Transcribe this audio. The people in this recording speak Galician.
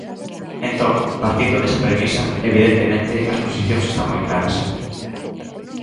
Entón, partindo desa premisa, evidentemente, as posicións están moi claras.